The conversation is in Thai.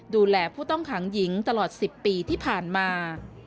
ดูแลผู้ต้องขังหญิงตลอด๑๐ปีที่ผ่านมา